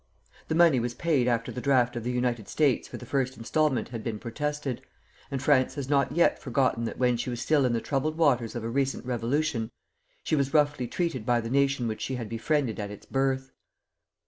The money was paid after the draft of the United States for the first instalment had been protested, and France has not yet forgotten that when she was still in the troubled waters of a recent revolution, she was roughly treated by the nation which she had befriended at its birth.